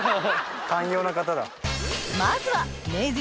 寛容な方だ。